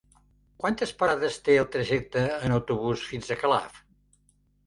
Quantes parades té el trajecte en autobús fins a Calaf?